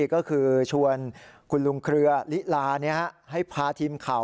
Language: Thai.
ก็คือชวนคุณลุงเครือลิลาให้พาทีมข่าว